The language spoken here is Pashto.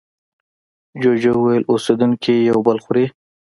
جوجو وویل اوسېدونکي یو بل خوري.